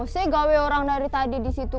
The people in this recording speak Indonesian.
saya ga ada orang dari tadi disitu